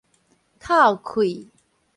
透氣